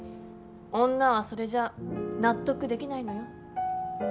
女はそれじゃ納得できないのよ。